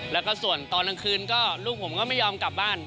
แล้วก็ส่วนตอนกลางคืนก็ลูกผมก็ไม่ยอมกลับบ้าน